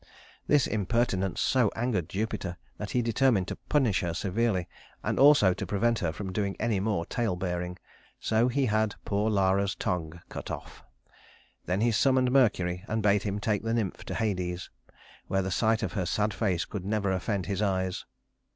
This impertinence so angered Jupiter that he determined to punish her severely and also to prevent her from doing any more talebearing; so he had poor Lara's tongue cut off. Then he summoned Mercury and bade him take the nymph to Hades, where the sight of her sad face could never offend his eyes.